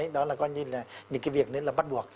đó là coi như là những cái việc nên là bắt buộc